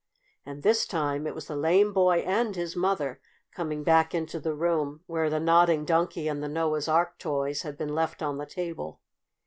And this time it was the lame boy and his mother coming back into the room where the Nodding Donkey and the Noah's Ark toys had been left on the table.